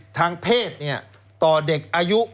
แล้วเขาก็ใช้วิธีการเหมือนกับในการ์ตูน